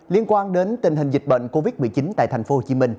liên quan đến tình hình dịch bệnh covid một mươi chín tại tp hcm